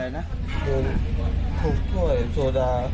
โดนทุกข่วยสุดา